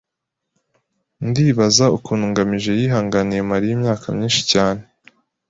Ndibaza ukuntu ngamije yihanganiye Mariya imyaka myinshi cyane.